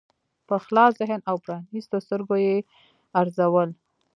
په خلاص ذهن او پرانیستو سترګو یې ارزول.